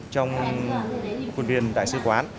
trong quân viên đại sứ quán